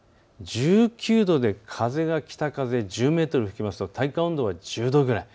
１９度で風が北風、１０メートル吹きますと体感温度は１０度ぐらい。